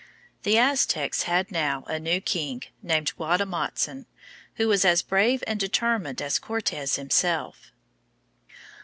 The Aztecs had now a new king, named Gua te mot zin, who was as brave and determined as Cortes himself.